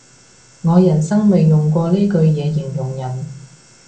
我人生未用過呢句嘢形容人